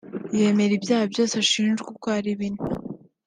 yemera ibyaha byose ashinjwa uko ari bine